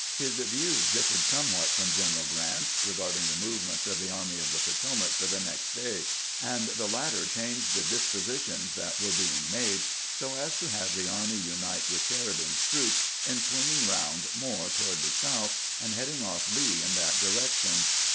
His views differed somewhat from Gen eral Grant's regarding the movements of th.e Army of the Potomac for the next day, and the latter changed the dispositions that were being made, so as to have the army unite with Sheridan's troops in swinging round more toward the south and heading off Lee in that direction.